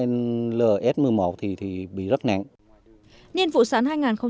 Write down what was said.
nhiên vụ sắn hai nghìn một mươi bảy hai nghìn một mươi tám